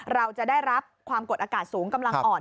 เราจะได้รับความกดอากาศสูงกำลังอ่อน